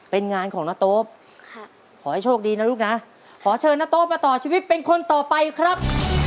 เป็นงานของนาโต๊ปขอให้โชคดีนะลูกนะขอเชิญนาโต๊มาต่อชีวิตเป็นคนต่อไปครับ